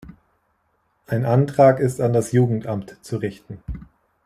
Ein Antrag ist an das Jugendamt zu richten.